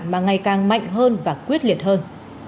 mà ngày càng mạnh hơn và quyết liệt hơn